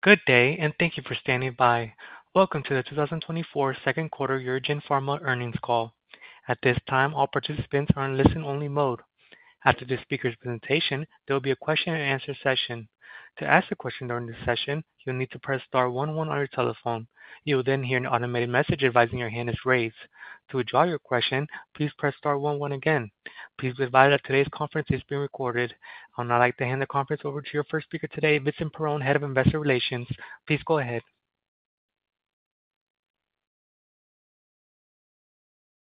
Good day, and thank you for standing by. Welcome to the 2024 second quarter UroGen Pharma earnings call. At this time, all participants are in listen-only mode. After the speaker's presentation, there will be a question-and-answer session. To ask a question during this session, you'll need to press star one one on your telephone. You will then hear an automated message advising your hand is raised. To withdraw your question, please press star one one again. Please be advised that today's conference is being recorded. I would now like to hand the conference over to your first speaker today, Vincent Perrone, Head of Investor Relations. Please go ahead.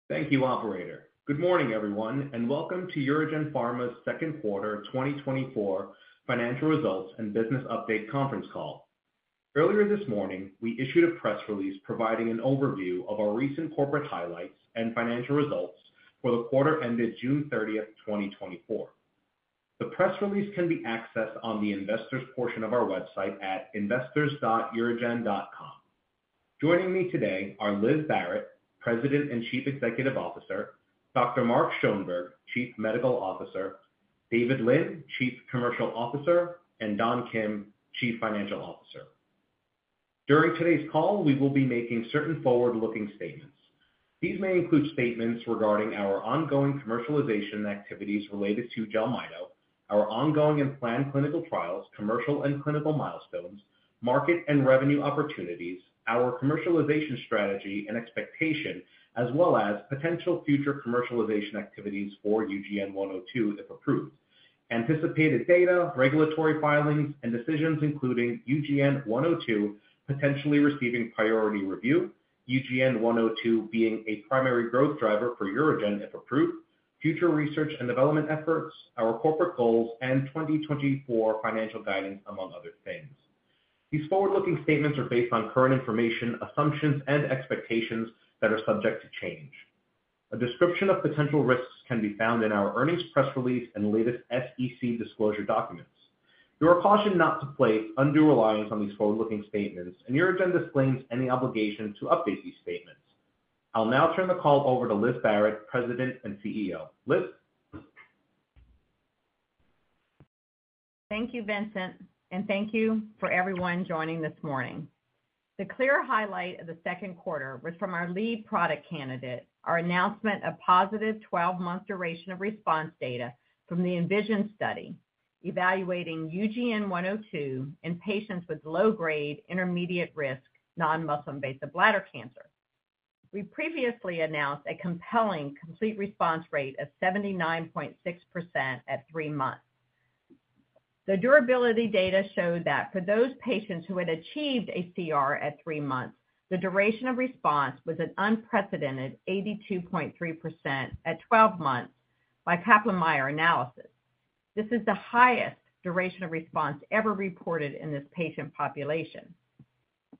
Thank you, operator. Good morning, everyone, and welcome to UroGen Pharma's second quarter 2024 financial results and business update conference call. Earlier this morning, we issued a press release providing an overview of our recent corporate highlights and financial results for the quarter ended June 30, 2024. The press release can be accessed on the investors' portion of our website at investors.urogen.com. Joining me today are Liz Barrett, President and Chief Executive Officer; Dr. Mark Schoenberg, Chief Medical Officer; David Lin, Chief Commercial Officer; and Don Kim, Chief Financial Officer. During today's call, we will be making certain forward-looking statements. These may include statements regarding our ongoing commercialization activities related to Jelmyto, our ongoing and planned clinical trials, commercial and clinical milestones, market and revenue opportunities, our commercialization strategy and expectation, as well as potential future commercialization activities for UGN-102, if approved. Anticipated data, regulatory filings and decisions, including UGN-102 potentially receiving priority review, UGN-102 being a primary growth driver for UroGen, if approved, future research and development efforts, our corporate goals, and 2024 financial guidance, among other things. These forward-looking statements are based on current information, assumptions, and expectations that are subject to change. A description of potential risks can be found in our earnings press release and latest SEC disclosure documents. You are cautioned not to place undue reliance on these forward-looking statements, and UroGen disclaims any obligation to update these statements. I'll now turn the call over to Liz Barrett, President and CEO. Liz? Thank you, Vincent, and thank you for everyone joining this morning. The clear highlight of the second quarter was from our lead product candidate, our announcement of positive 12-month duration of response data from the ENVISION study, evaluating UGN-102 in patients with low-grade, intermediate-risk non-muscle invasive bladder cancer. We previously announced a compelling complete response rate of 79.6% at 3 months. The durability data showed that for those patients who had achieved a CR at 3 months, the duration of response was an unprecedented 82.3% at 12 months by Kaplan-Meier analysis. This is the highest duration of response ever reported in this patient population.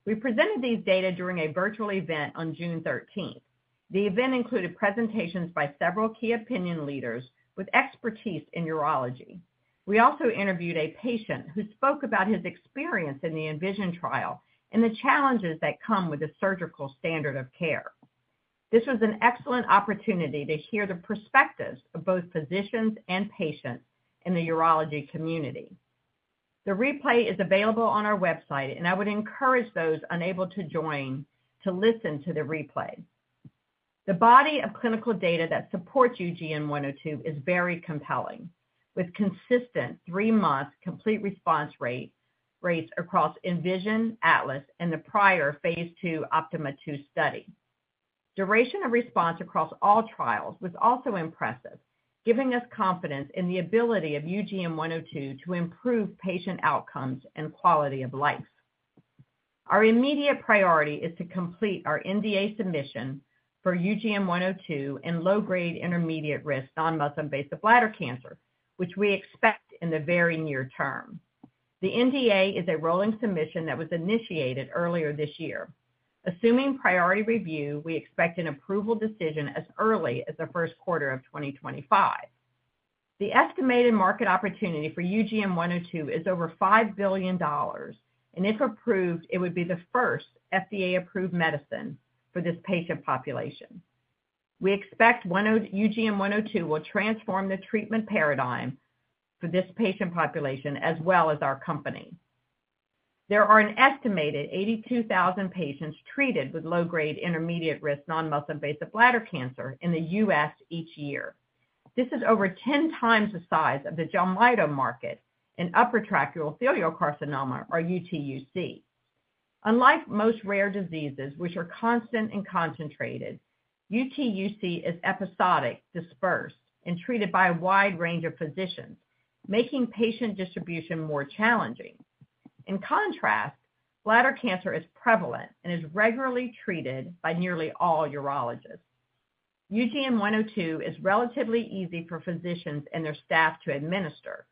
We presented these data during a virtual event on June 13th. The event included presentations by several key opinion leaders with expertise in urology. We also interviewed a patient who spoke about his experience in the ENVISION trial and the challenges that come with the surgical standard of care. This was an excellent opportunity to hear the perspectives of both physicians and patients in the urology community. The replay is available on our website, and I would encourage those unable to join to listen to the replay. The body of clinical data that supports UGN-102 is very compelling, with consistent three-month complete response rates across ENVISION, ATLAS, and the prior Phase II OPTIMA II study. Duration of response across all trials was also impressive, giving us confidence in the ability of UGN-102 to improve patient outcomes and quality of life. Our immediate priority is to complete our NDA submission for UGN-102 in low-grade intermediate-risk non-muscle invasive bladder cancer, which we expect in the very near term. The NDA is a rolling submission that was initiated earlier this year. Assuming priority review, we expect an approval decision as early as the first quarter of 2025. The estimated market opportunity for UGN-102 is over $5 billion, and if approved, it would be the first FDA-approved medicine for this patient population. We expect UGN-102 will transform the treatment paradigm for this patient population as well as our company. There are an estimated 82,000 patients treated with low-grade intermediate risk non-muscle invasive bladder cancer in the U.S. each year. This is over 10 times the size of the Jelmyto market in upper tract urothelial carcinoma, or UTUC. Unlike most rare diseases, which are constant and concentrated, UTUC is episodic, dispersed, and treated by a wide range of physicians, making patient distribution more challenging. In contrast, bladder cancer is prevalent and is regularly treated by nearly all urologists. UGN-102 is relatively easy for physicians and their staff to administer.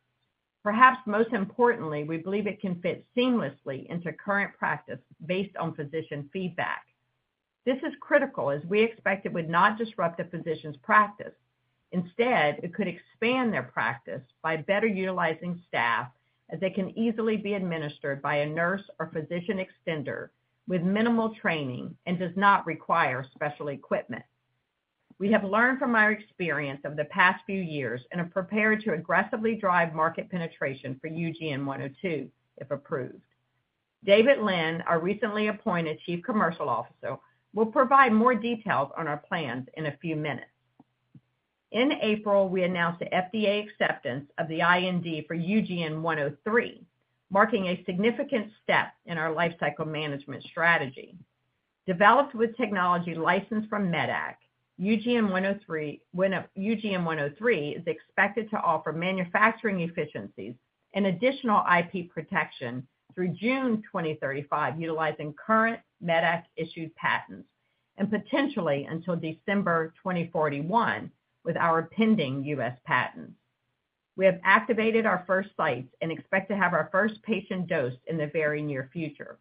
Perhaps most importantly, we believe it can fit seamlessly into current practice based on physician feedback. This is critical as we expect it would not disrupt a physician's practice. Instead, it could expand their practice by better utilizing staff, as they can easily be administered by a nurse or physician extender with minimal training and does not require special equipment. We have learned from our experience over the past few years and are prepared to aggressively drive market penetration for UGN-102, if approved. David Lin, our recently appointed Chief Commercial Officer, will provide more details on our plans in a few minutes. In April, we announced the FDA acceptance of the IND for UGN-103, marking a significant step in our lifecycle management strategy. Developed with technology licensed from Medac, UGN-103 is expected to offer manufacturing efficiencies and additional IP protection through June 2035, utilizing current Medac-issued patents, and potentially until December 2041 with our pending U.S. patents. We have activated our first sites and expect to have our first patient dosed in the very near future.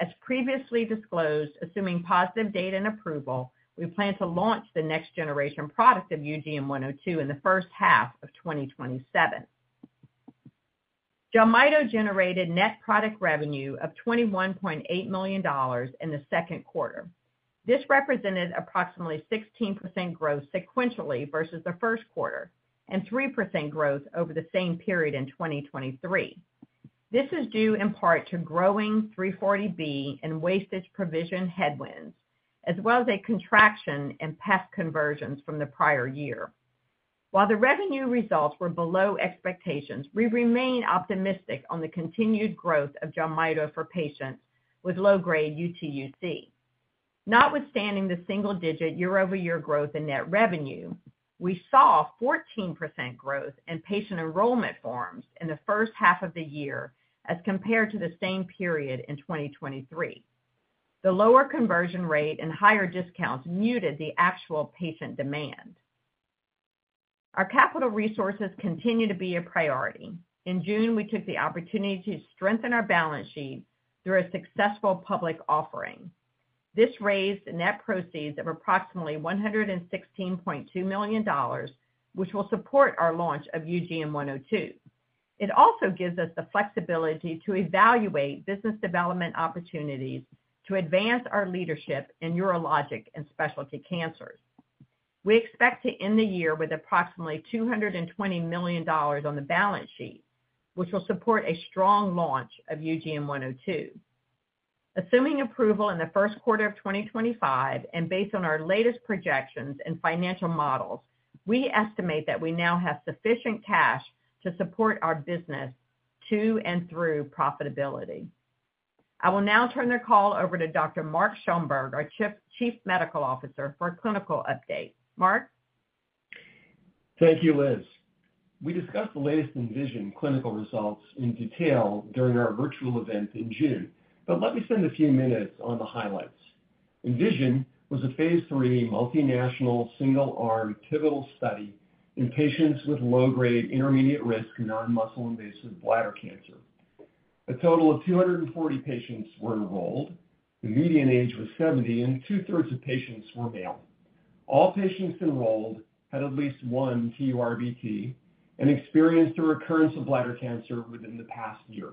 As previously disclosed, assuming positive data and approval, we plan to launch the next generation product of UGN-102 in the first half of 2027. Jelmyto generated net product revenue of $21.8 million in the second quarter. This represented approximately 16% growth sequentially versus the first quarter and 3% growth over the same period in 2023. This is due in part to growing 340B and wastage provision headwinds, as well as a contraction in past conversions from the prior year. While the revenue results were below expectations, we remain optimistic on the continued growth of Jelmyto for patients with low-grade UTUC. Notwithstanding the single-digit year-over-year growth in net revenue, we saw 14% growth in patient enrollment forms in the first half of the year as compared to the same period in 2023. The lower conversion rate and higher discounts muted the actual patient demand. Our capital resources continue to be a priority. In June, we took the opportunity to strengthen our balance sheet through a successful public offering. This raised net proceeds of approximately $116.2 million, which will support our launch of UGN-102. It also gives us the flexibility to evaluate business development opportunities to advance our leadership in urologic and specialty cancers. We expect to end the year with approximately $220 million on the balance sheet, which will support a strong launch of UGN-102. Assuming approval in the first quarter of 2025, and based on our latest projections and financial models, we estimate that we now have sufficient cash to support our business to and through profitability. I will now turn the call over to Dr. Mark Schoenberg, our Chief Medical Officer, for a clinical update. Mark? Thank you, Liz. We discussed the latest ENVISION clinical results in detail during our virtual event in June, but let me spend a few minutes on the highlights. ENVISION was a Phase III multinational, single-arm pivotal study in patients with low-grade intermediate-risk non-muscle invasive bladder cancer. A total of 240 patients were enrolled, the median age was 70, and two-thirds of patients were male. All patients enrolled had at least one TURBT and experienced a recurrence of bladder cancer within the past year.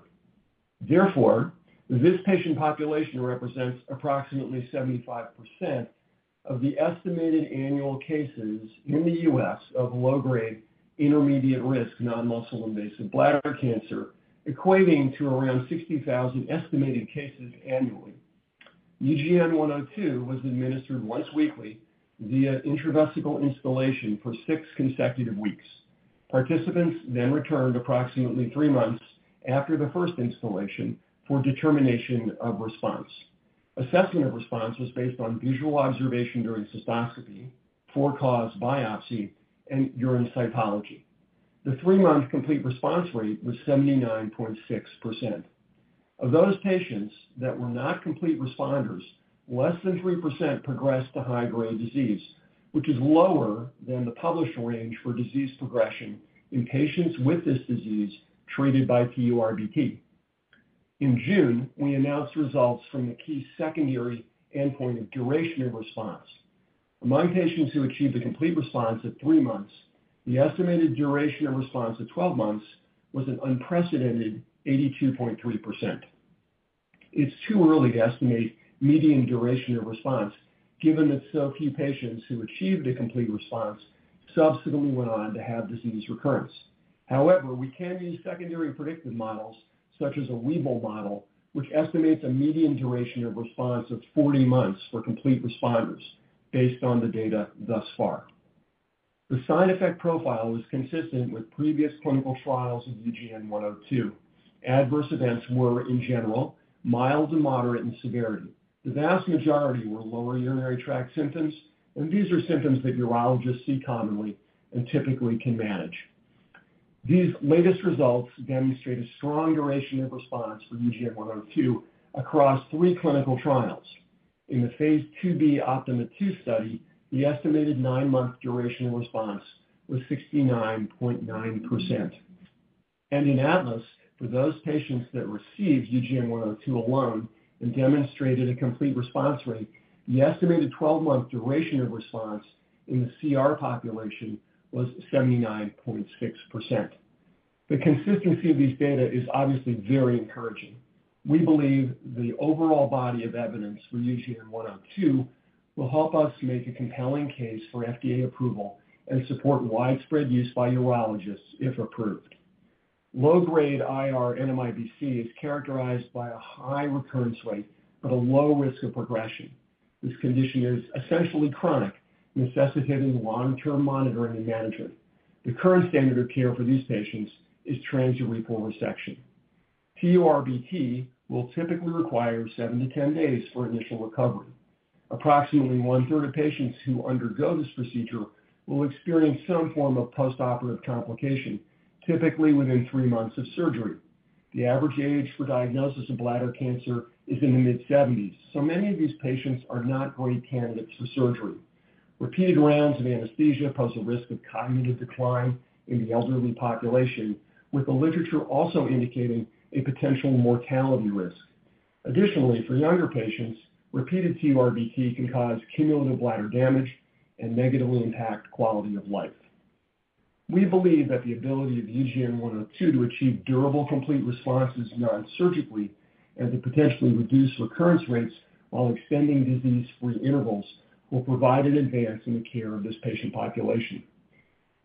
Therefore, this patient population represents approximately 75% of the estimated annual cases in the U.S. of low-grade intermediate-risk non-muscle invasive bladder cancer, equating to around 60,000 estimated cases annually. UGN-102 was administered once weekly via intravesical instillation for six consecutive weeks. Participants then returned approximately three months after the first instillation for determination of response. Assessing a response was based on visual observation during cystoscopy, for-cause biopsy, and urine cytology. The 3-month complete response rate was 79.6%. Of those patients that were not complete responders, less than 3% progressed to high-grade disease, which is lower than the published range for disease progression in patients with this disease treated by TURBT. In June, we announced results from the key secondary endpoint of duration of response. Among patients who achieved a complete response at 3 months, the estimated duration of response at 12 months was an unprecedented 82.3%. It's too early to estimate median duration of response, given that so few patients who achieved a complete response subsequently went on to have disease recurrence. However, we can use secondary predictive models such as a Weibull model, which estimates a median duration of response of 40 months for complete responders based on the data thus far. The side effect profile was consistent with previous clinical trials of UGN-102. Adverse events were, in general, mild to moderate in severity. The vast majority were lower urinary tract symptoms, and these are symptoms that urologists see commonly and typically can manage. These latest results demonstrate a strong duration of response for UGN-102 across three clinical trials. In the phase IIb OPTIMA II study, the estimated nine-month duration of response was 69.9%. In ATLAS, for those patients that received UGN-102 alone and demonstrated a complete response rate, the estimated 12-month duration of response in the CR population was 79.6%. The consistency of these data is obviously very encouraging. We believe the overall body of evidence for UGN-102 will help us make a compelling case for FDA approval and support widespread use by urologists, if approved. Low-grade IR NMIBC is characterized by a high recurrence rate, but a low risk of progression. This condition is essentially chronic, necessitating long-term monitoring and management. The current standard of care for these patients is transurethral resection. TURBT will typically require 7-10 days for initial recovery. Approximately 1/3 of patients who undergo this procedure will experience some form of postoperative complication, typically within 3 months of surgery. The average age for diagnosis of bladder cancer is in the mid-70s, so many of these patients are not great candidates for surgery. Repeated rounds of anesthesia pose a risk of cognitive decline in the elderly population, with the literature also indicating a potential mortality risk. Additionally, for younger patients, repeated TURBT can cause cumulative bladder damage and negatively impact quality of life. We believe that the ability of UGN-102 to achieve durable, complete responses non-surgically and to potentially reduce recurrence rates while extending disease-free intervals will provide an advance in the care of this patient population.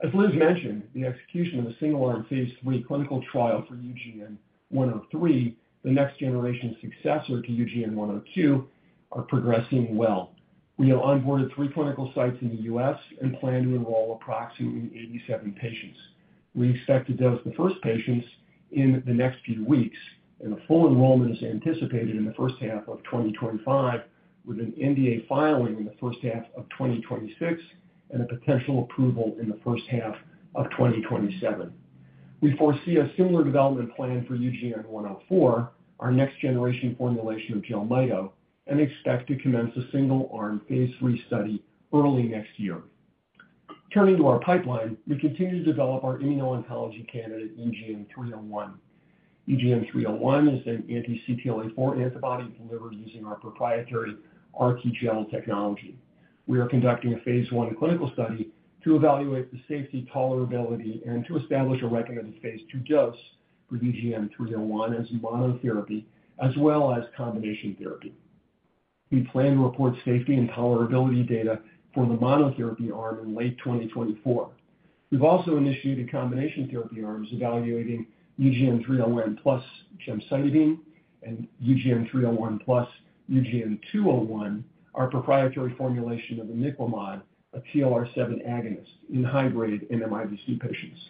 As Liz mentioned, the execution of the single-arm phase III clinical trial for UGN-103, the next-generation successor to UGN-102, are progressing well. We have onboarded three clinical sites in the U.S. and plan to enroll approximately 87 patients. We expect to dose the first patients in the next few weeks, and a full enrollment is anticipated in the first half of 2025, with an NDA filing in the first half of 2026 and a potential approval in the first half of 2027. We foresee a similar development plan for UGN-104, our next-generation formulation of Jelmyto, and expect to commence a single-arm phase III study early next year. Turning to our pipeline, we continue to develop our immuno-oncology candidate, UGN-301. UGN-301 is an anti-CTLA-4 antibody delivered using our proprietary RTGel technology. We are conducting a phase I clinical study to evaluate the safety, tolerability, and to establish a recommended phase II dose for UGN-301 as monotherapy as well as combination therapy. We plan to report safety and tolerability data for the monotherapy arm in late 2024. We've also initiated combination therapy arms evaluating UGN-301 plus gemcitabine and UGN-301 plus UGN-201, our proprietary formulation of imiquimod, a TLR7 agonist in high-grade NMIBC patients.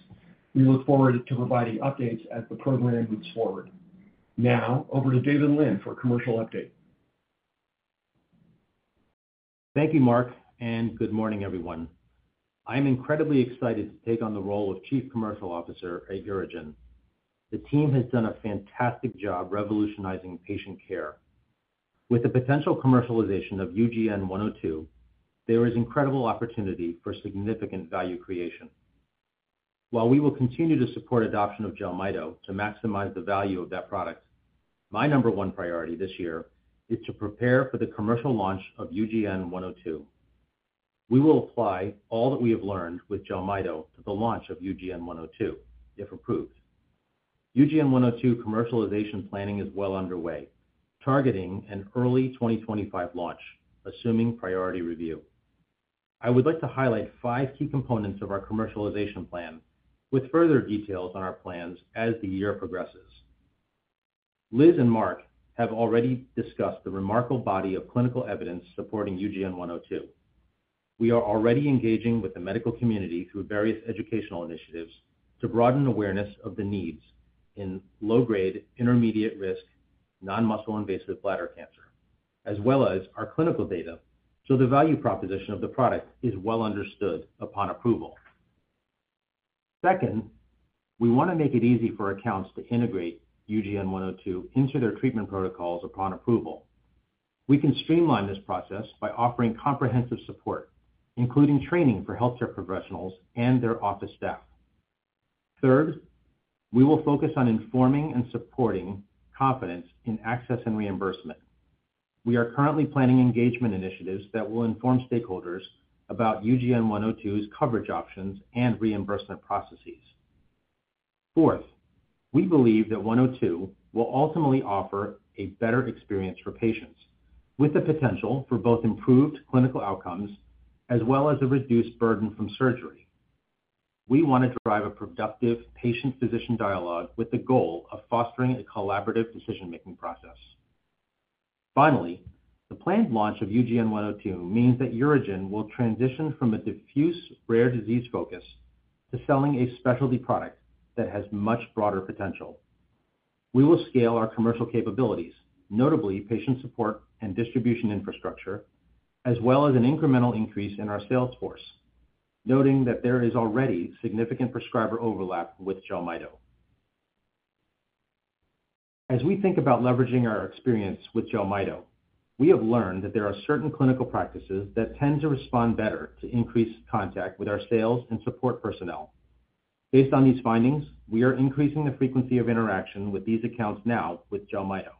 We look forward to providing updates as the program moves forward. Now, over to David Lin for a commercial update. Thank you, Mark, and good morning, everyone. I'm incredibly excited to take on the role of Chief Commercial Officer at UroGen. The team has done a fantastic job revolutionizing patient care. With the potential commercialization of UGN-102, there is incredible opportunity for significant value creation. While we will continue to support adoption of Jelmyto to maximize the value of that product, my number one priority this year is to prepare for the commercial launch of UGN-102. We will apply all that we have learned with Jelmyto to the launch of UGN-102, if approved. UGN-102 commercialization planning is well underway, targeting an early 2025 launch, assuming priority review. I would like to highlight five key components of our commercialization plan with further details on our plans as the year progresses. Liz and Mark have already discussed the remarkable body of clinical evidence supporting UGN-102. We are already engaging with the medical community through various educational initiatives to broaden awareness of the needs in low-grade intermediate-risk non-muscle invasive bladder cancer, as well as our clinical data, so the value proposition of the product is well understood upon approval. Second, we want to make it easy for accounts to integrate UGN-102 into their treatment protocols upon approval. We can streamline this process by offering comprehensive support, including training for healthcare professionals and their office staff. Third, we will focus on informing and supporting confidence in access and reimbursement. We are currently planning engagement initiatives that will inform stakeholders about UGN-102's coverage options and reimbursement processes. Fourth, we believe that 102 will ultimately offer a better experience for patients, with the potential for both improved clinical outcomes as well as a reduced burden from surgery. We want to drive a productive patient-physician dialogue with the goal of fostering a collaborative decision-making process. Finally, the planned launch of UGN-102 means that UroGen will transition from a diffuse rare disease focus to selling a specialty product that has much broader potential. We will scale our commercial capabilities, notably patient support and distribution infrastructure, as well as an incremental increase in our sales force, noting that there is already significant prescriber overlap with Jelmyto. As we think about leveraging our experience with Jelmyto, we have learned that there are certain clinical practices that tend to respond better to increased contact with our sales and support personnel. Based on these findings, we are increasing the frequency of interaction with these accounts now with Jelmyto.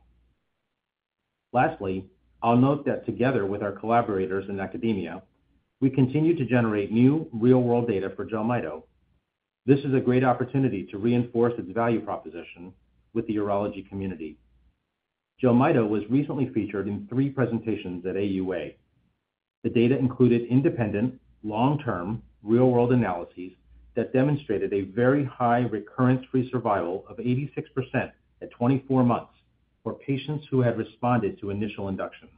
Lastly, I'll note that together with our collaborators in academia, we continue to generate new real-world data for Jelmyto. This is a great opportunity to reinforce its value proposition with the urology community. Jelmyto was recently featured in three presentations at AUA. The data included independent, long-term, real-world analyses that demonstrated a very high recurrence-free survival of 86% at 24 months for patients who had responded to initial induction.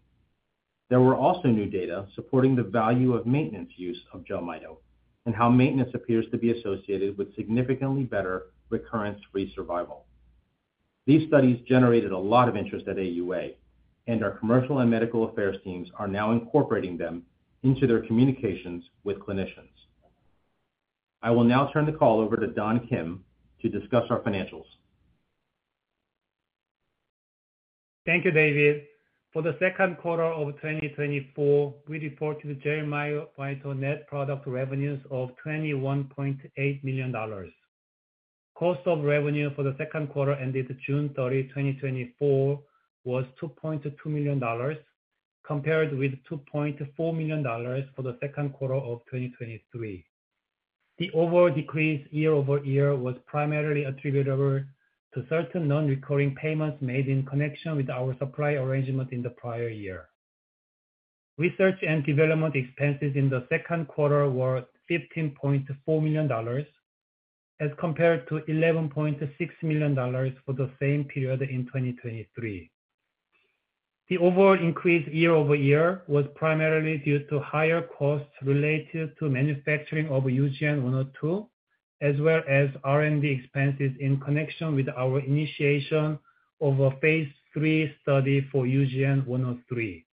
There were also new data supporting the value of maintenance use of Jelmyto, and how maintenance appears to be associated with significantly better recurrence-free survival. These studies generated a lot of interest at AUA, and our commercial and medical affairs teams are now incorporating them into their communications with clinicians. I will now turn the call over to Don Kim to discuss our financials. Thank you, David. For the second quarter of 2024, we reported Jelmyto net product revenues of $21.8 million. Cost of revenue for the second quarter ended June 30, 2024, was $2.2 million, compared with $2.4 million for the second quarter of 2023. The overall decrease year-over-year was primarily attributable to certain non-recurring payments made in connection with our supply arrangement in the prior year. Research and development expenses in the second quarter were $15.4 million, as compared to $11.6 million for the same period in 2023. The overall increase year-over-year was primarily due to higher costs related to manufacturing of UGN-102, as well as R&D expenses in connection with our initiation of a phase III study for UGN-103,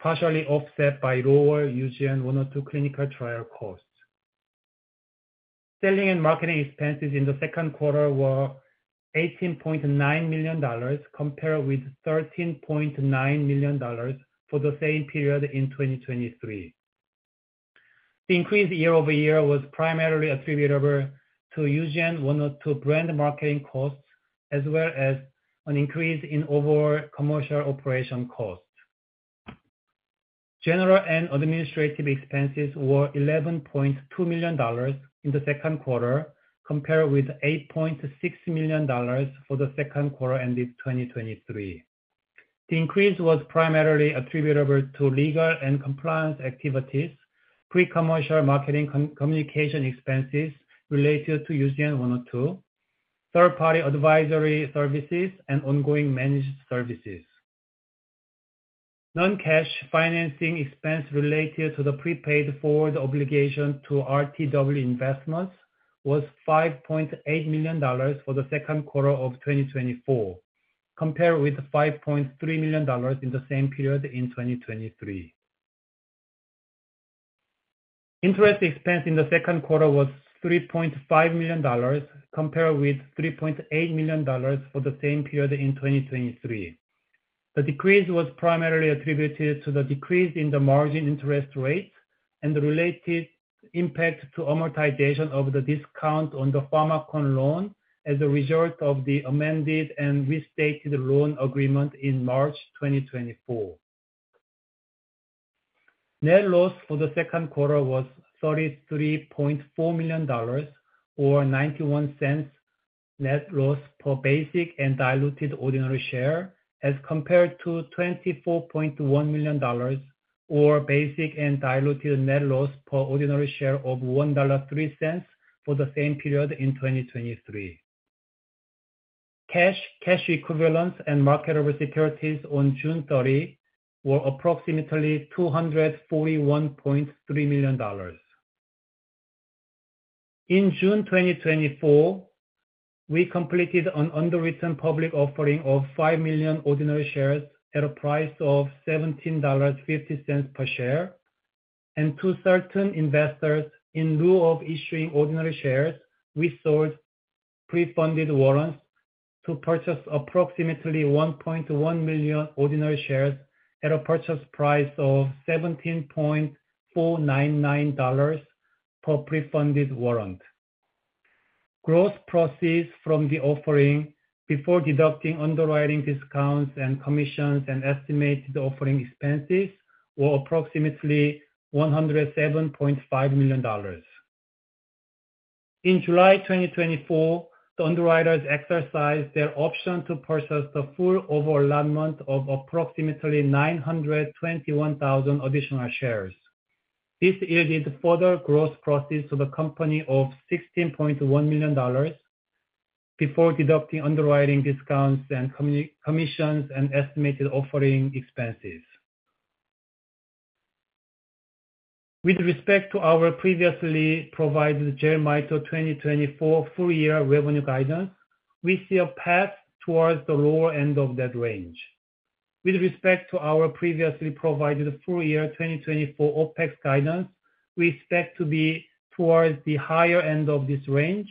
partially offset by lower UGN-102 clinical trial costs. Selling and marketing expenses in the second quarter were $18.9 million, compared with $13.9 million for the same period in 2023. The increase year-over-year was primarily attributable to UGN-102 brand marketing costs, as well as an increase in overall commercial operation costs. General and administrative expenses were $11.2 million in the second quarter, compared with $8.6 million for the second quarter ended 2023. The increase was primarily attributable to legal and compliance activities, pre-commercial marketing communication expenses related to UGN-102, third-party advisory services, and ongoing managed services. Non-cash financing expense related to the prepaid forward obligation to RTW Investments was $5.8 million for the second quarter of 2024, compared with $5.3 million in the same period in 2023. Interest expense in the second quarter was $3.5 million, compared with $3.8 million for the same period in 2023. The decrease was primarily attributed to the decrease in the margin interest rate and the related impact to amortization of the discount on the Pharmakon loan as a result of the amended and restated loan agreement in March 2024. Net loss for the second quarter was $33.4 million, or $0.91 net loss per basic and diluted ordinary share, as compared to $24.1 million, or basic and diluted net loss per ordinary share of $1.03 for the same period in 2023. Cash, cash equivalents and marketable securities on June 30 were approximately $241.3 million. In June 2024, we completed an underwritten public offering of 5 million ordinary shares at a price of $17.50 per share, and to certain investors, in lieu of issuing ordinary shares, we sold pre-funded warrants to purchase approximately 1.1 million ordinary shares at a purchase price of $17.499 per pre-funded warrant. Gross proceeds from the offering, before deducting underwriting discounts and commissions and estimated offering expenses, were approximately $107.5 million. In July 2024, the underwriters exercised their option to purchase the full over allotment of approximately 921,000 additional shares. This yielded further gross proceeds to the company of $16.1 million before deducting underwriting discounts and commissions and estimated offering expenses. With respect to our previously provided Jelmyto 2024 full year revenue guidance, we see a path towards the lower end of that range. With respect to our previously provided full year 2024 OpEx guidance, we expect to be towards the higher end of this range,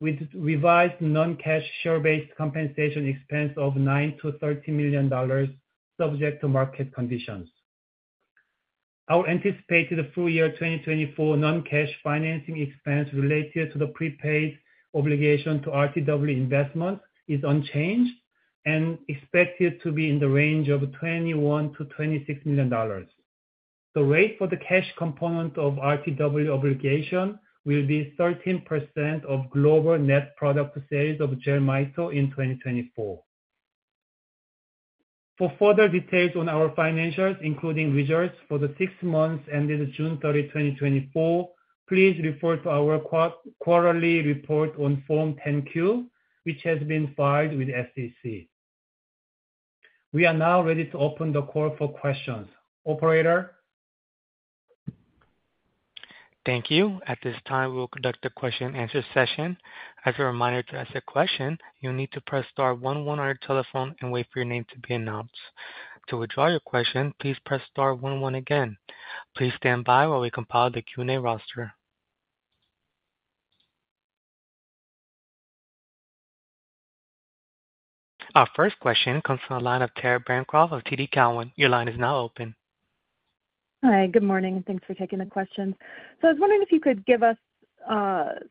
with revised non-cash share-based compensation expense of $9 million-$13 million, subject to market conditions. Our anticipated full year 2024 non-cash financing expense related to the prepaid obligation to RTW Investments is unchanged and expected to be in the range of $21 million-$26 million. The rate for the cash component of RTW obligation will be 13% of global net product sales of Jelmyto in 2024. For further details on our financials, including results for the six months ended June 30, 2024, please refer to our quarterly report on Form 10-Q, which has been filed with the SEC. We are now ready to open the call for questions. Operator? Thank you. At this time, we will conduct a question-and-answer session. As a reminder, to ask a question, you'll need to press star one one on your telephone and wait for your name to be announced. To withdraw your question, please press star one one again. Please stand by while we compile the Q&A roster. Our first question comes from the line of Tara Bancroft of TD Cowen. Your line is now open. Hi, good morning, and thanks for taking the questions. So I was wondering if you could give us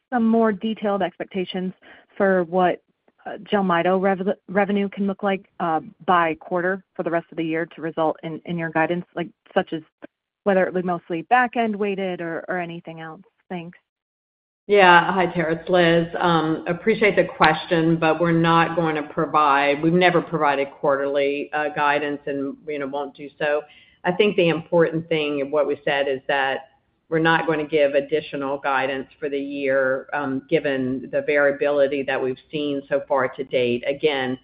some more detailed expectations for what Jelmyto revenue can look like by quarter for the rest of the year to result in your guidance, like such as whether it be mostly back-end weighted or anything else? Thanks. Yeah. Hi, Tara, it's Liz. Appreciate the question, but we're not going to provide. We've never provided quarterly guidance, and we, you know, won't do so. I think the important thing in what we said is that we're not going to give additional guidance for the year, given the variability that we've seen so far to date. Again,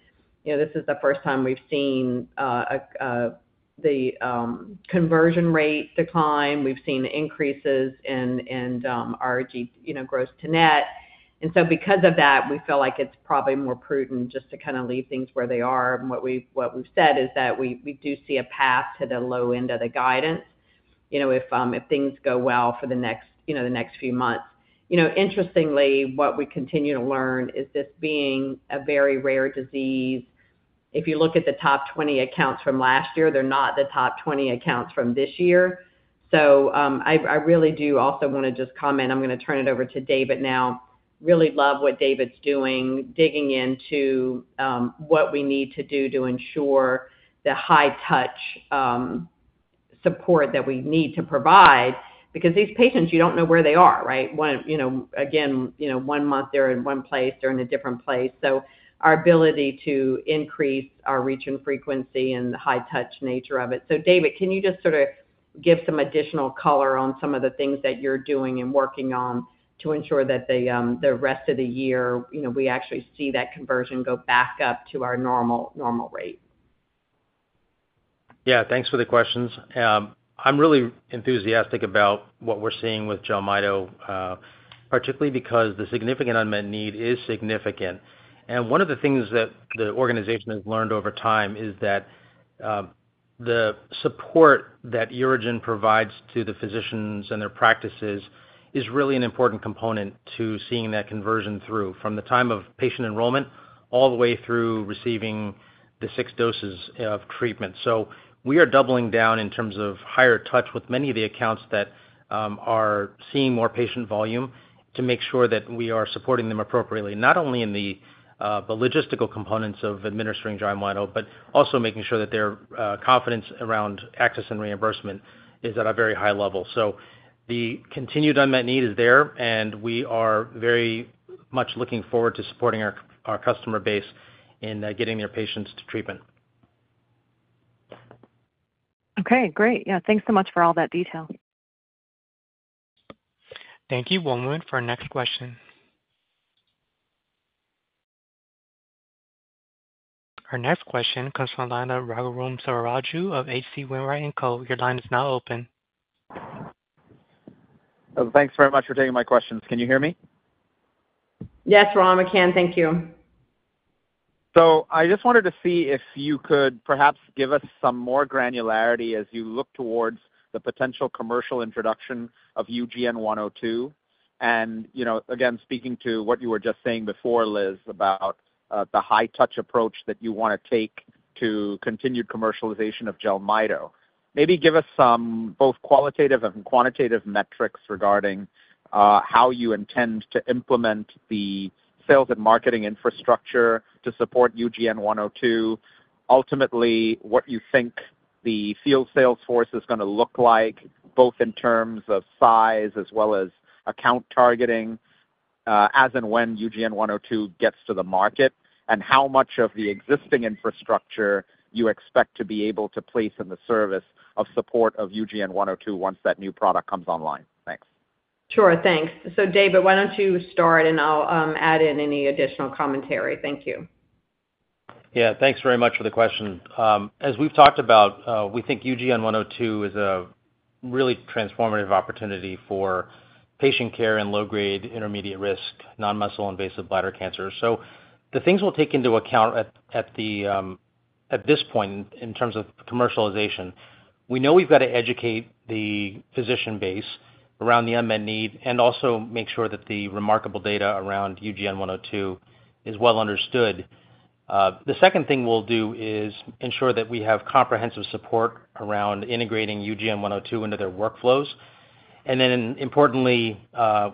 you know, this is the first time we've seen the conversion rate decline. We've seen increases in our gross to-net. And so because of that, we feel like it's probably more prudent just to kind of leave things where they are. And what we've said is that we do see a path to the low end of the guidance, you know, if things go well for the next few months. You know, interestingly, what we continue to learn is, this being a very rare disease, if you look at the top 20 accounts from last year, they're not the top 20 accounts from this year. So, I really do also wanna just comment, I'm gonna turn it over to David now. Really love what David's doing, digging into what we need to do to ensure the high touch support that we need to provide. Because these patients, you don't know where they are, right? One, you know, again, you know, one month they're in one place, they're in a different place. So our ability to increase our reach and frequency and the high touch nature of it. David, can you just sort of give some additional color on some of the things that you're doing and working on to ensure that the rest of the year, you know, we actually see that conversion go back up to our normal, normal rate? Yeah, thanks for the questions. I'm really enthusiastic about what we're seeing with Jelmyto, particularly because the significant unmet need is significant. And one of the things that the organization has learned over time is that, the support that UroGen provides to the physicians and their practices is really an important component to seeing that conversion through, from the time of patient enrollment, all the way through receiving the six doses of treatment. So we are doubling down in terms of higher touch with many of the accounts that, are seeing more patient volume, to make sure that we are supporting them appropriately. Not only in the, the logistical components of administering Jelmyto, but also making sure that their, confidence around access and reimbursement is at a very high level. So the continued unmet need is there, and we are very much looking forward to supporting our customer base in getting their patients to treatment. Okay, great. Yeah, thanks so much for all that detail. Thank you. We'll move for our next question. Our next question comes from the line of Raghuram Selvaraju of H.C. Wainwright & Co. Your line is now open. Thanks very much for taking my questions. Can you hear me? Yes, Raghu, we can. Thank you. So I just wanted to see if you could perhaps give us some more granularity as you look towards the potential commercial introduction of UGN-102. And, you know, again, speaking to what you were just saying before, Liz, about the high touch approach that you wanna take to continued commercialization of Jelmyto. Maybe give us some both qualitative and quantitative metrics regarding how you intend to implement the sales and marketing infrastructure to support UGN-102. Ultimately, what you think the field sales force is gonna look like, both in terms of size as well as account targeting, as and when UGN-102 gets to the market, and how much of the existing infrastructure you expect to be able to place in the service of support of UGN-102 once that new product comes online? Thanks. Sure. Thanks. So David, why don't you start, and I'll add in any additional commentary. Thank you. Yeah, thanks very much for the question. As we've talked about, we think UGN-102 is a really transformative opportunity for patient care in low-grade, intermediate-risk, non-muscle invasive bladder cancer. So the things we'll take into account at this point in terms of commercialization, we know we've got to educate the physician base around the unmet need, and also make sure that the remarkable data around UGN-102 is well understood. The second thing we'll do is ensure that we have comprehensive support around integrating UGN-102 into their workflows. And then importantly,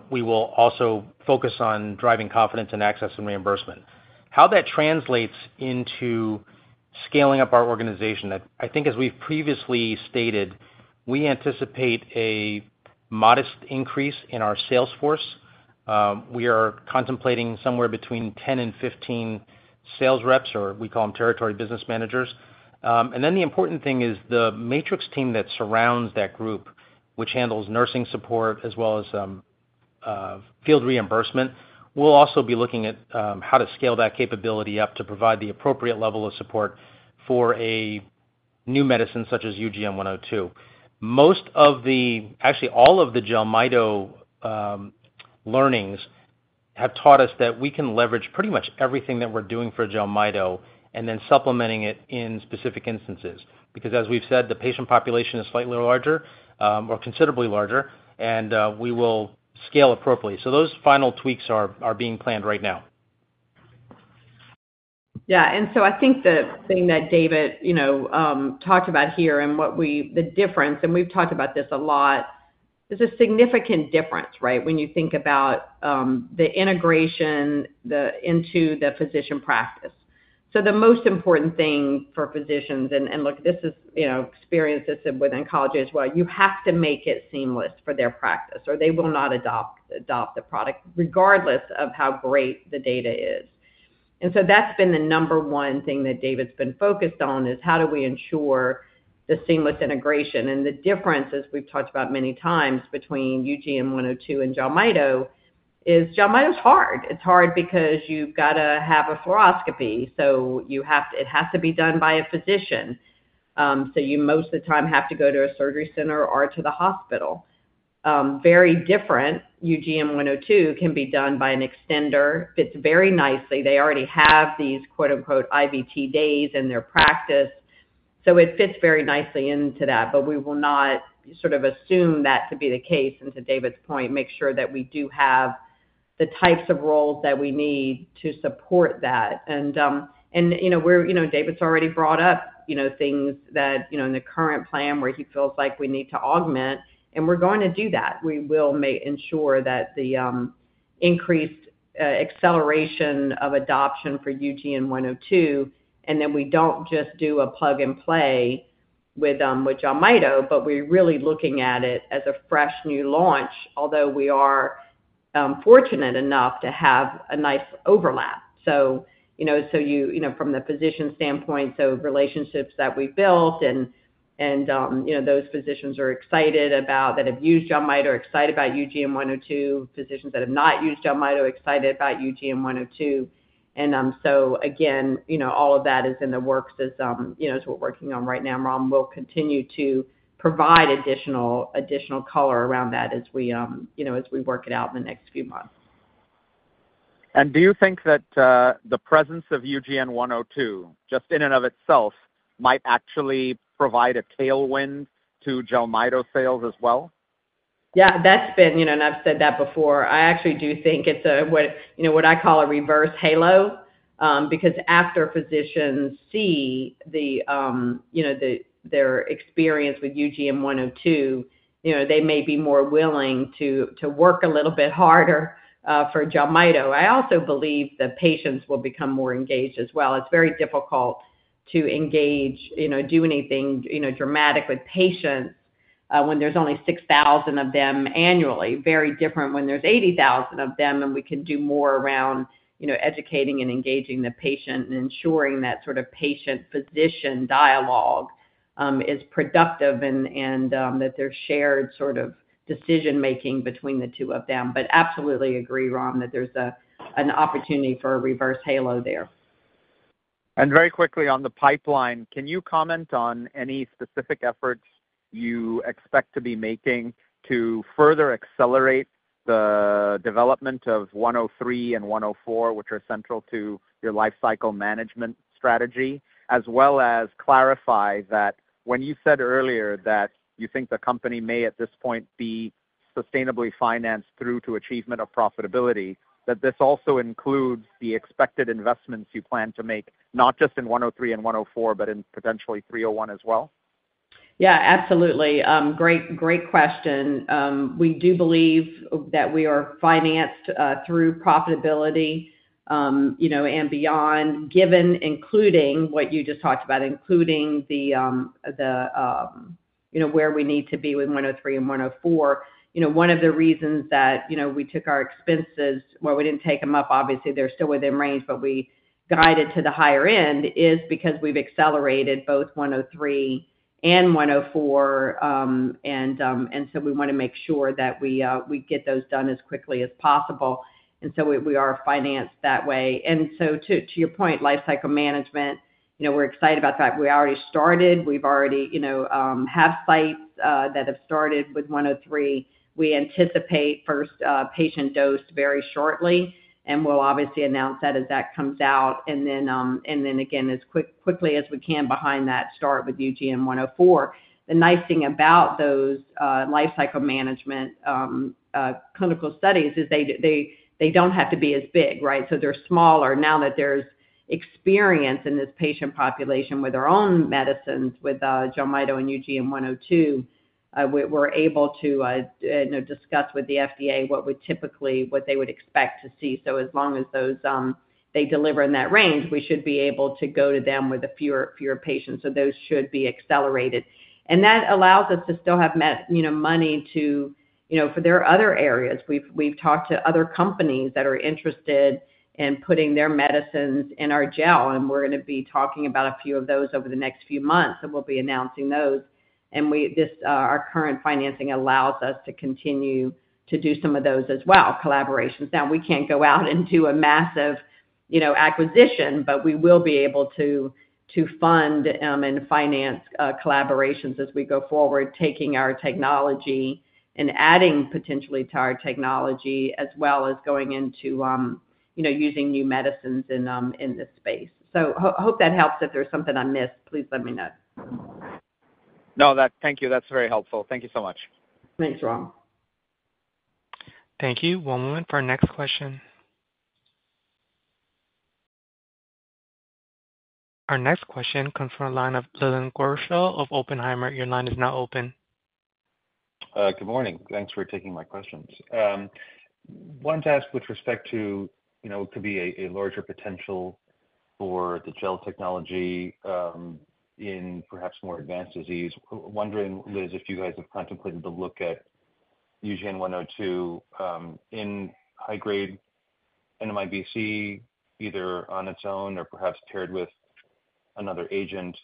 we will also focus on driving confidence in access and reimbursement. How that translates into scaling up our organization, I think as we've previously stated, we anticipate a modest increase in our sales force. We are contemplating somewhere between 10 and 15 sales reps, or we call them territory business managers. And then the important thing is the matrix team that surrounds that group, which handles nursing support as well as field reimbursement. We'll also be looking at how to scale that capability up to provide the appropriate level of support for a new medicine such as UGN-102. Most of the, actually, all of the Jelmyto learnings have taught us that we can leverage pretty much everything that we're doing for Jelmyto, and then supplementing it in specific instances. Because as we've said, the patient population is slightly larger or considerably larger, and we will scale appropriately. So those final tweaks are being planned right now. Yeah. And so I think the thing that David, you know, talked about here, and what we, the difference, and we've talked about this a lot, there's a significant difference, right? When you think about, the integration, the, into the physician practice. So the most important thing for physicians, and, and look, this is, you know, experiences within oncology as well, you have to make it seamless for their practice, or they will not adopt, adopt the product, regardless of how great the data is. And so that's been the number one thing that David's been focused on, is how do we ensure the seamless integration? And the difference, as we've talked about many times between UGN-102 and Jelmyto, is Jelmyto is hard. It's hard because you've got to have a fluoroscopy, so you have, it has to be done by a physician. So you, most of the time, have to go to a surgery center or to the hospital. Very different, UGN-102 can be done by an extender. Fits very nicely. They already have these, quote, unquote, "IVT days" in their practice, so it fits very nicely into that. But we will not sort of assume that to be the case, and to David's point, make sure that we do have the types of roles that we need to support that. And, and, you know, we're you know, David's already brought up, you know, things that, you know, in the current plan where he feels like we need to augment, and we're going to do that. We will ensure that the increased acceleration of adoption for UGN-102, and then we don't just do a plug and play with Jelmyto, but we're really looking at it as a fresh new launch, although we are fortunate enough to have a nice overlap. So, you know, from the physician standpoint, relationships that we've built and, you know, those physicians are excited about, that have used Jelmyto, are excited about UGN-102. Physicians that have not used Jelmyto are excited about UGN-102. And, so again, you know, all of that is in the works as, you know, as we're working on right now. Ram, we'll continue to provide additional color around that as we, you know, as we work it out in the next few months. Do you think that the presence of UGN-102, just in and of itself, might actually provide a tailwind to Jelmyto sales as well? Yeah, that's been, you know, and I've said that before. I actually do think it's what I call a reverse halo. Because after physicians see the, you know, their experience with UGN-102, you know, they may be more willing to work a little bit harder for Jelmyto. I also believe that patients will become more engaged as well. It's very difficult to engage, you know, do anything, you know, dramatic with patients, when there's only 6,000 of them annually. Very different when there's 80,000 of them, and we can do more around, you know, educating and engaging the patient and ensuring that sort of patient-physician dialogue is productive and that there's shared sort of decision making between the two of them. But absolutely agree, Ram, that there's an opportunity for a reverse halo there. Very quickly on the pipeline, can you comment on any specific efforts you expect to be making to further accelerate the development of 103 and 104, which are central to your lifecycle management strategy? As well as clarify that when you said earlier that you think the company may, at this point, be sustainably financed through to achievement of profitability, that this also includes the expected investments you plan to make, not just in 103 and 104, but in potentially 301 as well. Yeah, absolutely. Great, great question. We do believe that we are financed through profitability, you know, and beyond, given including what you just talked about, including the, you know, where we need to be with 103 and 104. You know, one of the reasons that, you know, we took our expenses, well, we didn't take them up, obviously, they're still within range, but we guided to the higher end, is because we've accelerated both 103 and 104. And so we want to make sure that we, we get those done as quickly as possible, and so we, we are financed that way. And so to, to your point, lifecycle management, you know, we're excited about the fact we already started. We've already, you know, have sites, that have started with 103. We anticipate first patient dose very shortly, and we'll obviously announce that as that comes out. And then again, as quickly as we can behind that, start with UGN-104. The nice thing about those lifecycle management clinical studies is they don't have to be as big, right? So they're smaller. Now that there's experience in this patient population with our own medicines, with Jelmyto and UGN-102, we're able to you know, discuss with the FDA what would typically, what they would expect to see. So as long as those they deliver in that range, we should be able to go to them with fewer patients, so those should be accelerated. And that allows us to still have money to you know, for their other areas. We've talked to other companies that are interested in putting their medicines in our gel, and we're gonna be talking about a few of those over the next few months, and we'll be announcing those. And this, our current financing allows us to continue to do some of those as well, collaborations. Now, we can't go out and do a massive, you know, acquisition, but we will be able to fund and finance collaborations as we go forward, taking our technology and adding potentially to our technology, as well as going into, you know, using new medicines in this space. So hope that helps. If there's something I missed, please let me know. No, thank you, that's very helpful. Thank you so much. Thanks, Ram. Thank you. One moment for our next question. Our next question comes from the line of Leland Gershell of Oppenheimer. Your line is now open. Good morning. Thanks for taking my questions. Wanted to ask with respect to, you know, could be a larger potential for the gel technology in perhaps more advanced disease. Wondering, Liz, if you guys have contemplated the look at UGN-102 in high-grade NMIBC, either on its own or perhaps paired with another agent,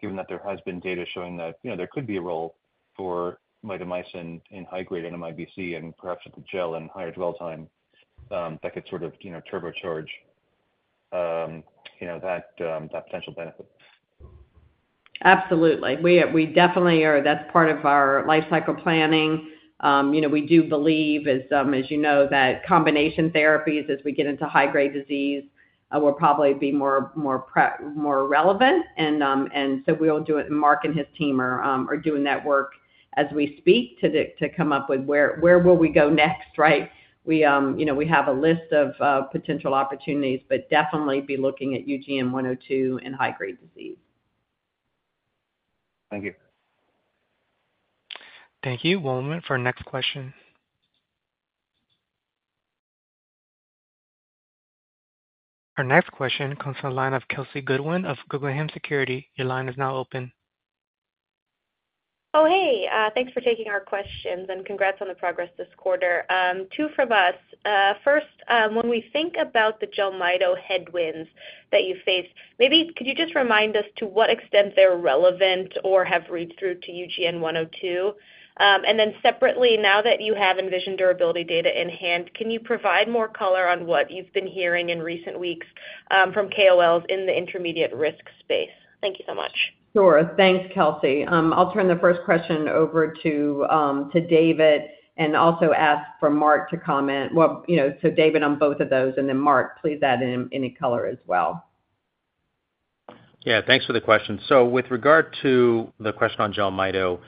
given that there has been data showing that, you know, there could be a role for mitomycin in high-grade NMIBC and perhaps with the gel and higher dwell time, that could sort of, you know, turbocharge, you know, that potential benefit? Absolutely. We definitely are. That's part of our life cycle planning. You know, we do believe, as you know, that combination therapies, as we get into high-grade disease, will probably be more relevant. And so we'll do it. Mark and his team are doing that work as we speak, to come up with where we will go next, right? You know, we have a list of potential opportunities, but definitely be looking at UGN-102 in high-grade disease. Thank you. Thank you. One moment for our next question. Our next question comes from the line of Kelsey Goodwin of Guggenheim Securities. Your line is now open. Oh, hey, thanks for taking our questions, and congrats on the progress this quarter. Two from us. First, when we think about the Jelmyto headwinds that you faced, maybe could you just remind us to what extent they're relevant or have read through to UGN-102? And then separately, now that you have ENVISION durability data in hand, can you provide more color on what you've been hearing in recent weeks, from KOLs in the intermediate risk space? Thank you so much. Sure. Thanks, Kelsey. I'll turn the first question over to David, and also ask for Mark to comment. Well, you know, so David on both of those, and then Mark, please add in any color as well. Yeah, thanks for the question. So with regard to the question on Jelmyto,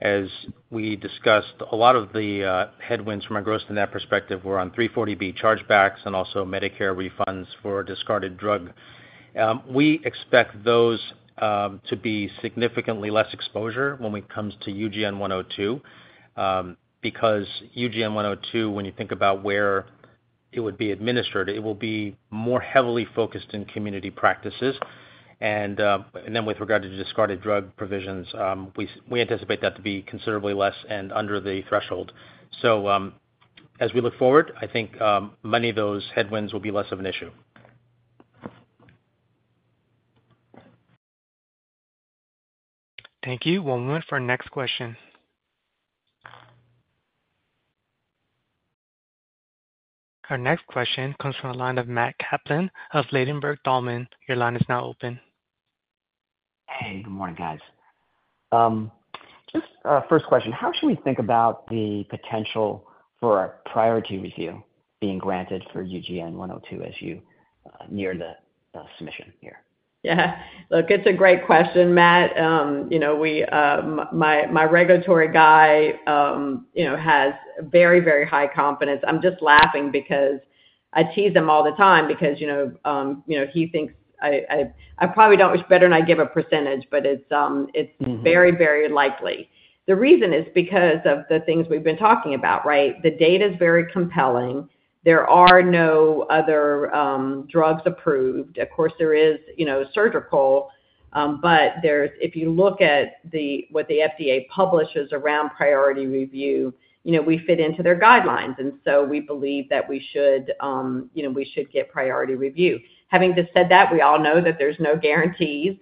as we discussed, a lot of the headwinds from a gross net perspective were on 340B chargebacks and also Medicare refunds for discarded drug. We expect those to be significantly less exposure when it comes to UGN-102. Because UGN-102, when you think about where it would be administered, it will be more heavily focused in community practices. And then with regard to discarded drug provisions, we anticipate that to be considerably less and under the threshold. So, as we look forward, I think many of those headwinds will be less of an issue. Thank you. One moment for our next question. Our next question comes from the line of Matt Kaplan of Ladenburg Thalmann. Your line is now open. Hey, good morning, guys. Just, first question: How should we think about the potential for a priority review being granted for UGN-102 as you near the submission here? Yeah. Look, it's a great question, Matt. You know, we, my regulatory guy, you know, has very, very high confidence. I'm just laughing because I tease him all the time because, you know, he thinks I probably don't. It's better than I give a percentage, but it's, it's very, very likely. The reason is because of the things we've been talking about, right? The data is very compelling. There are no other drugs approved. Of course, there is, you know, surgical, but there's, if you look at the, what the FDA publishes around priority review, you know, we fit into their guidelines, and so we believe that we should, you know, we should get priority review. Having just said that, we all know that there's no guarantees.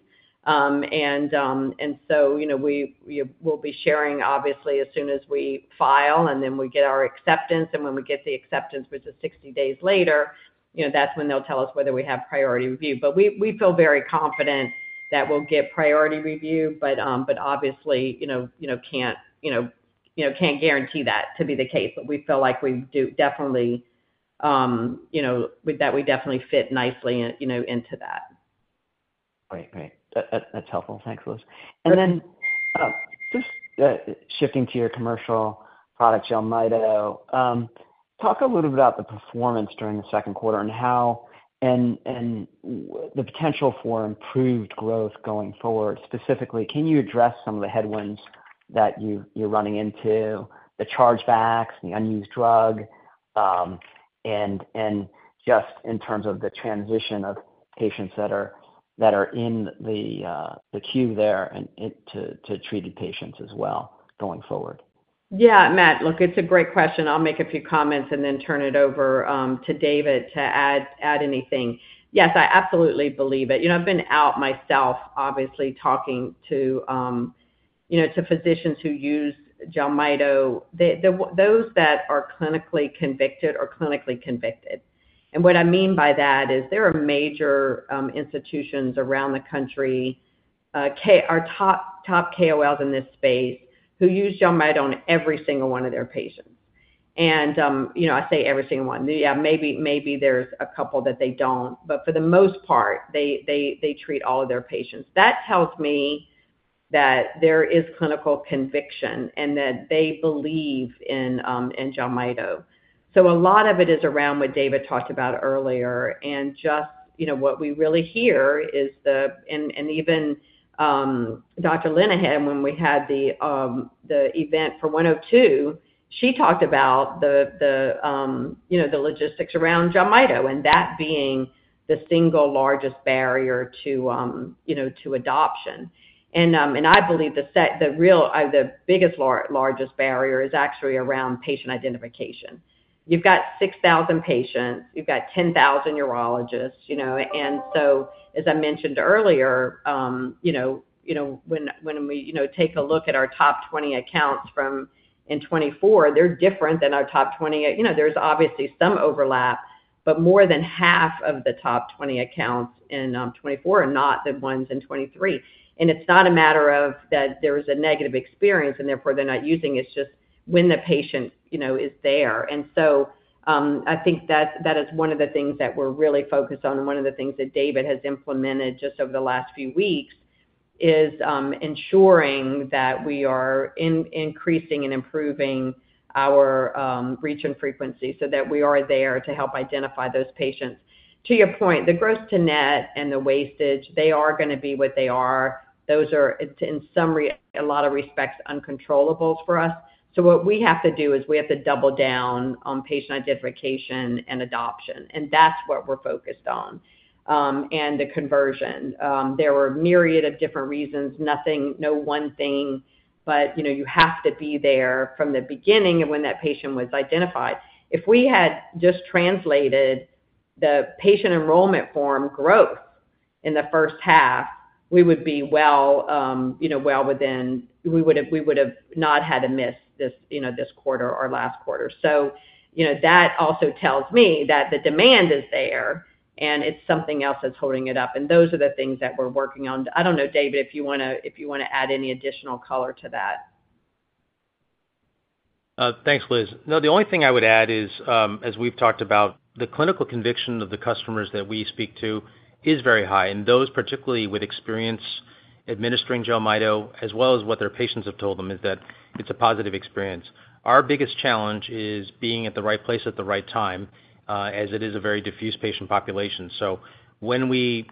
And so, you know, we'll be sharing, obviously, as soon as we file, and then we get our acceptance, and when we get the acceptance, which is 60 days later, you know, that's when they'll tell us whether we have priority review. But we feel very confident that we'll get Priority Review, but obviously, you know, can't guarantee that to be the case. But we feel like we do definitely, you know, with that, we definitely fit nicely, you know, into that. Great, great. That, that's helpful. Thanks, Liz. Sure. And then, just shifting to your commercial product, Jelmyto. Talk a little bit about the performance during the second quarter and how the potential for improved growth going forward. Specifically, can you address some of the headwinds that you, you're running into, the chargebacks, the unused drug, and just in terms of the transition of patients that are in the queue there and to treated patients as well going forward? Yeah, Matt, look, it's a great question. I'll make a few comments and then turn it over to David to add anything. Yes, I absolutely believe it. You know, I've been out myself, obviously, talking to you know, to physicians who use Jelmyto. Those that are clinically convicted are clinically convicted. And what I mean by that is there are major institutions around the country are top, top KOLs in this space, who use Jelmyto on every single one of their patients. And you know, I say every single one. Yeah, maybe, maybe there's a couple that they don't, but for the most part, they treat all of their patients. That tells me that there is clinical conviction and that they believe in Jelmyto. So a lot of it is around what David talked about earlier, and just, you know, what we really hear is, and even Dr. Linehan, when we had the event for 102, she talked about the, you know, the logistics around Jelmyto, and that being the single largest barrier to, you know, to adoption. And I believe the real largest barrier is actually around patient identification. You've got 6,000 patients, you've got 10,000 urologists, you know. And so, as I mentioned earlier, you know, when we, you know, take a look at our top 20 accounts from in 2024, they're different than our top 20... You know, there's obviously some overlap, but more than half of the top 20 accounts in 2024 are not the ones in 2023. And it's not a matter of that there was a negative experience, and therefore they're not using. It's just when the patient, you know, is there. And so I think that that is one of the things that we're really focused on and one of the things that David has implemented just over the last few weeks is ensuring that we are increasing and improving our reach and frequency so that we are there to help identify those patients. To your point, the gross to net and the wastage, they are gonna be what they are. Those are. It's in some respects, a lot of respects, uncontrollable for us. So what we have to do is we have to double down on patient identification and adoption, and that's what we're focused on. And the conversion. There were a myriad of different reasons, nothing, no one thing, but, you know, you have to be there from the beginning of when that patient was identified. If we had just translated the patient enrollment from growth in the first half, we would be well, you know, well within- we would have, we would have not had to miss this, you know, this quarter or last quarter. So, you know, that also tells me that the demand is there, and it's something else that's holding it up, and those are the things that we're working on. I don't know, David, if you want to, if you want to add any additional color to that. Thanks, Liz. No, the only thing I would add is, as we've talked about, the clinical conviction of the customers that we speak to is very high, and those, particularly with experience administering Jelmyto, as well as what their patients have told them, is that it's a positive experience. Our biggest challenge is being at the right place at the right time, as it is a very diffuse patient population. So when we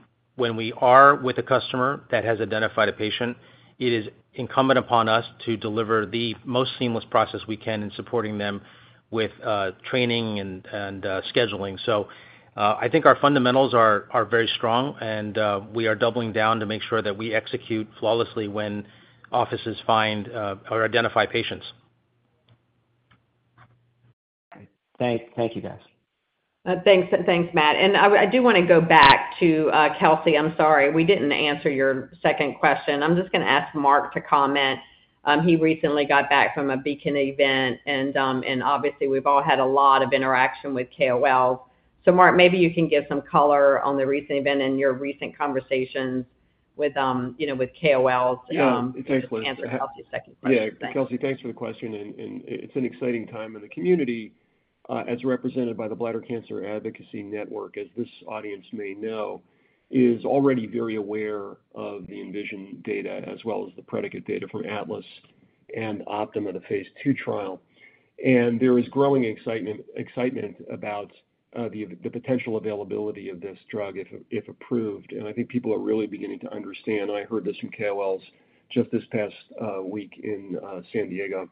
are with a customer that has identified a patient, it is incumbent upon us to deliver the most seamless process we can in supporting them with training and scheduling. So, I think our fundamentals are very strong, and we are doubling down to make sure that we execute flawlessly when offices find or identify patients. Thank you, guys. Thanks, Matt. And I do wanna go back to Kelsey. I'm sorry, we didn't answer your second question. I'm just gonna ask Mark to comment. He recently got back from a BCAN event, and obviously, we've all had a lot of interaction with KOLs. So Mark, maybe you can give some color on the recent event and your recent conversations with, you know, with KOLs- Yeah. Thanks, Liz. To answer Kelsey's second question. Yeah, Kelsey, thanks for the question, and it's an exciting time in the community, as represented by the Bladder Cancer Advocacy Network, as this audience may know, is already very aware of the ENVISION data as well as the predicate data from ATLAS and OPTIMA, the phase II trial. And there is growing excitement about the potential availability of this drug, if approved. And I think people are really beginning to understand, and I heard this from KOLs just this past week in San Diego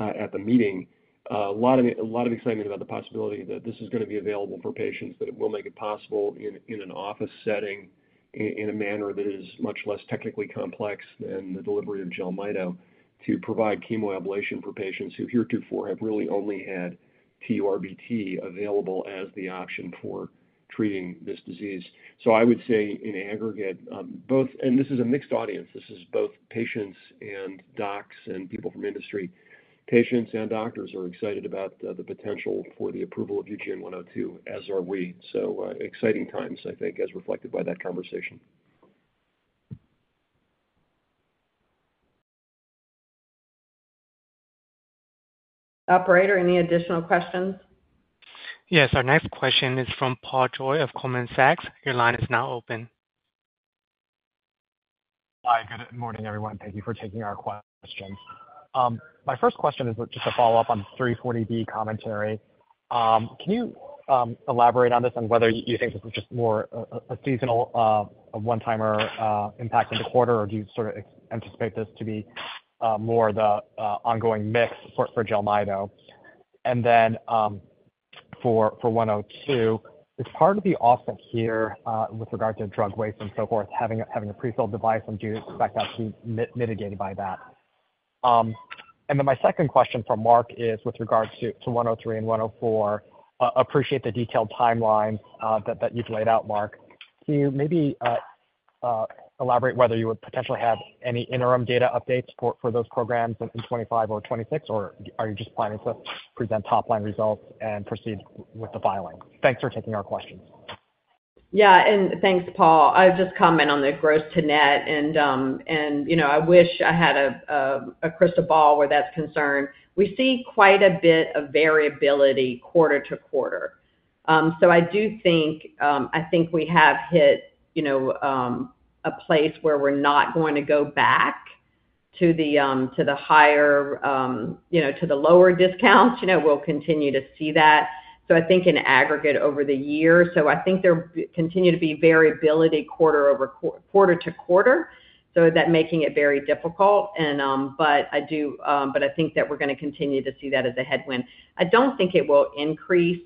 at the meeting. A lot of excitement about the possibility that this is gonna be available for patients, that it will make it possible in an office setting, in a manner that is much less technically complex than the delivery of Jelmyto, to provide chemoablation for patients who heretofore have really only had TURBT available as the option for treating this disease. So I would say in aggregate, both... And this is a mixed audience, this is both patients and docs and people from industry. Patients and doctors are excited about the potential for the approval of UGN-102, as are we. So, exciting times, I think, as reflected by that conversation. Operator, any additional questions? Yes, our next question is from Paul Choi of Goldman Sachs. Your line is now open. Hi, good morning, everyone. Thank you for taking our questions. My first question is just a follow-up on 340B commentary. Can you elaborate on this and whether you think this is just more a seasonal one-timer impact in the quarter, or do you sort of anticipate this to be more the ongoing mix for Jelmyto? And then, for UGN-102, it's hard to be off it here with regard to drug waste and so forth, having a prefilled device and do you expect that to be mitigated by that? And then my second question for Mark is with regards to UGN-103 and UGN-104. Appreciate the detailed timeline that you've laid out, Mark. Can you maybe elaborate whether you would potentially have any interim data updates for those programs in 25 or 26, or are you just planning to present top-line results and proceed with the filing? Thanks for taking our questions. Yeah, and thanks, Paul. I'll just comment on the gross-to-net, and, and, you know, I wish I had a, a crystal ball where that's concerned. We see quite a bit of variability quarter-to-quarter. So I do think, I think we have hit, you know, a place where we're not going to go back to the, to the higher, you know, to the lower discounts. You know, we'll continue to see that. So I think in aggregate over the year, so I think there continue to be variability quarter-over-quarter, so that making it very difficult and, but I do, but I think that we're gonna continue to see that as a headwind. I don't think it will increase,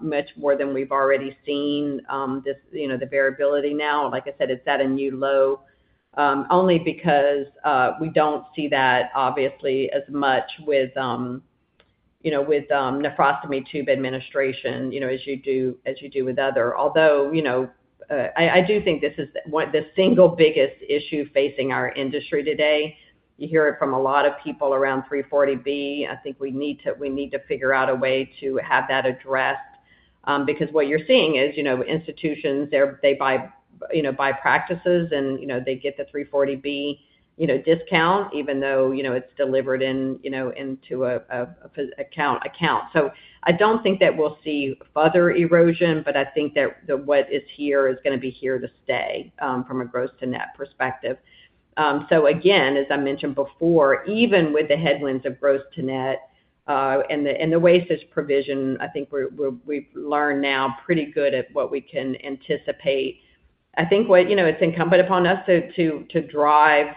much more than we've already seen, this, you know, the variability now. Like I said, it's at a new low, only because we don't see that, obviously, as much with, you know, with, nephrostomy tube administration, you know, as you do, as you do with other. Although, you know, I do think this is the single biggest issue facing our industry today. You hear it from a lot of people around 340B. I think we need to, we need to figure out a way to have that addressed, because what you're seeing is, you know, institutions, they buy practices and, you know, they get the 340B, you know, discount, even though, you know, it's delivered in, you know, into a physician account. So I don't think that we'll see further erosion, but I think that the, what is here is gonna be here to stay, from a gross to net perspective. So again, as I mentioned before, even with the headwinds of gross to net, and the, and the waste provision, I think we've learned now pretty good at what we can anticipate. I think what you know, it's incumbent upon us to drive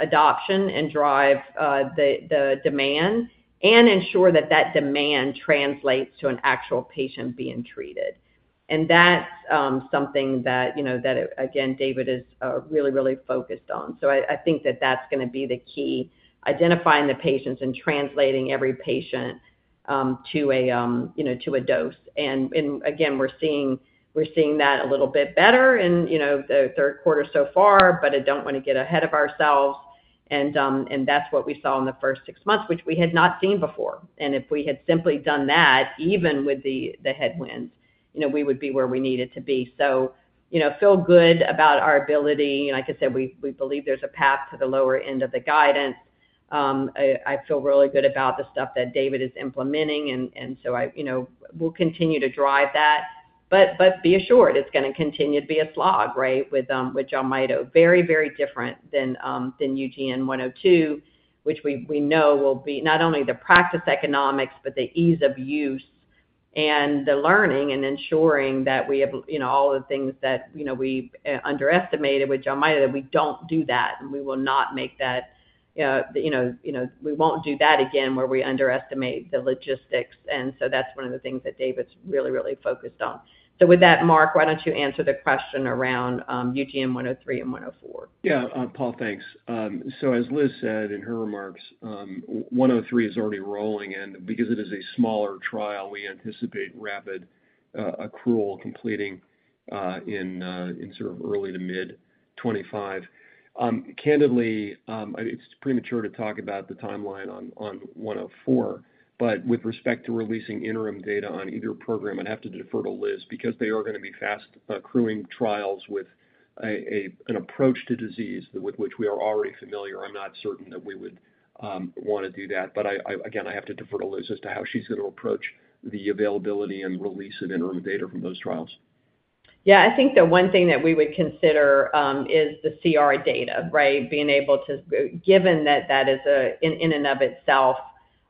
adoption and drive the demand, and ensure that that demand translates to an actual patient being treated. And that's something you know, that, again, David is really, really focused on. So I think that that's gonna be the key, identifying the patients and translating every patient to a, you know, to a dose. And again, we're seeing that a little bit better in, you know, the third quarter so far, but I don't wanna get ahead of ourselves. And that's what we saw in the first six months, which we had not seen before. And if we had simply done that, even with the headwinds, you know, we would be where we needed to be. So, you know, feel good about our ability, like I said, we believe there's a path to the lower end of the guidance. I feel really good about the stuff that David is implementing, and so I, you know, we'll continue to drive that. But be assured, it's gonna continue to be a slog, right, with Jelmyto. Very, very different than UGN-102, which we know will be not only the practice economics, but the ease of use, and the learning, and ensuring that we have, you know, all the things that, you know, we underestimated with Jelmyto, that we don't do that, and we will not make that, you know, you know, we won't do that again, where we underestimate the logistics. And so that's one of the things that David's really, really focused on. So with that, Mark, why don't you answer the question around UGN-103 and UGN-104? Yeah, Paul, thanks. So as Liz said in her remarks, 103 is already rolling in. Because it is a smaller trial, we anticipate rapid accrual completing in sort of early to mid-2025. Candidly, it's premature to talk about the timeline on 104, but with respect to releasing interim data on either program, I'd have to defer to Liz, because they are gonna be fast accruing trials with an approach to disease with which we are already familiar. I'm not certain that we would wanna do that, but again, I have to defer to Liz as to how she's gonna approach the availability and release of interim data from those trials. Yeah, I think the one thing that we would consider is the CR data, right? Being able to, given that that is in and of itself,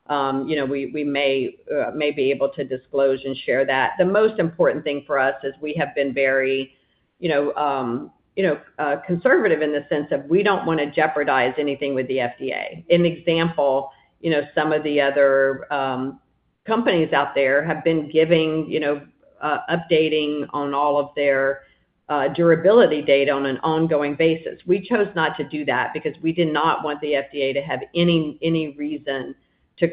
you know, we may be able to disclose and share that. The most important thing for us is we have been very, you know, conservative in the sense of we don't wanna jeopardize anything with the FDA. An example, you know, some of the other companies out there have been giving, you know, updating on all of their durability data on an ongoing basis. We chose not to do that, because we did not want the FDA to have any reason to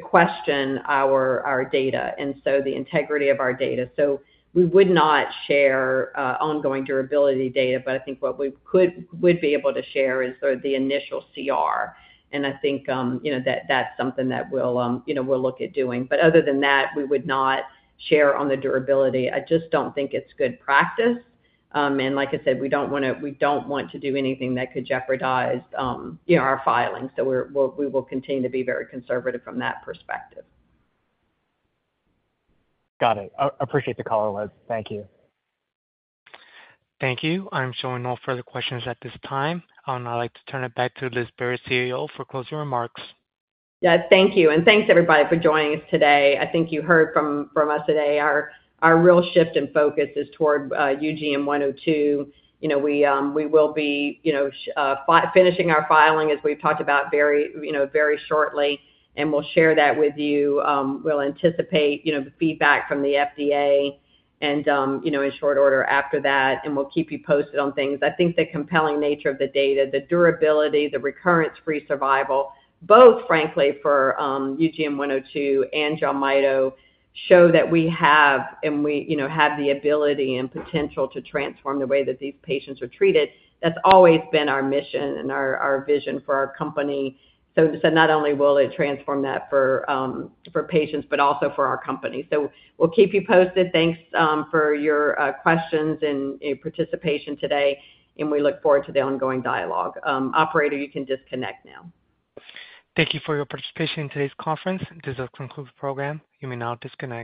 question our data, and so the integrity of our data. So we would not share ongoing durability data, but I think what we would be able to share is sort of the initial CR. And I think, you know, that, that's something that we'll, you know, we'll look at doing. But other than that, we would not share on the durability. I just don't think it's good practice. And like I said, we don't wanna, we don't want to do anything that could jeopardize, you know, our filings. So we will continue to be very conservative from that perspective. Got it. Appreciate the call, Liz. Thank you. Thank you. I'm showing no further questions at this time. I would now like to turn it back to Liz Barrett, CEO, for closing remarks. Yeah, thank you. And thanks, everybody, for joining us today. I think you heard from us today, our real shift in focus is toward UGN-102. You know, we will be finishing our filing, as we've talked about very shortly, and we'll share that with you. We'll anticipate the feedback from the FDA and, you know, in short order after that, and we'll keep you posted on things. I think the compelling nature of the data, the durability, the recurrence-free survival, both frankly for UGN-102 and Jelmyto, show that we have and we have the ability and potential to transform the way that these patients are treated. That's always been our mission and our vision for our company. So, not only will it transform that for, for patients, but also for our company. So we'll keep you posted. Thanks, for your, questions and participation today, and we look forward to the ongoing dialogue. Operator, you can disconnect now. Thank you for your participation in today's conference. This does conclude the program. You may now disconnect.